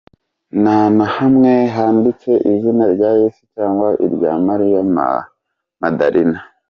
Nta na hamwe handitse izina rya Yezu cyangwa irya Mariya Magdalena.